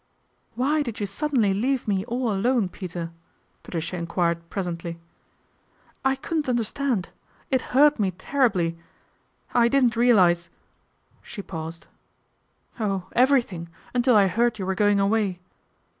4 Why did you suddenly leave me all alone, j Peter ?" Patricia enquired presently. ! couldn't understand. It hurt me terribly. I didn't realise " she paused " oh, everything, until I THE GREATEST INDISCRETION 305 heard you were going away.